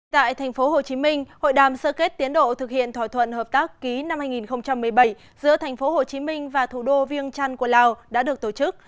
tại tp hcm hội đàm sơ kết tiến độ thực hiện thỏa thuận hợp tác ký năm hai nghìn một mươi bảy giữa tp hcm và thủ đô viêng trăn của lào đã được tổ chức